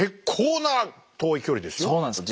そうなんです。